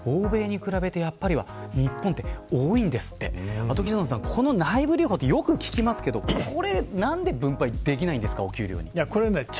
アトキンソンさん、この内部留保ってよく聞きますがなんで分配できないんですかお給料に。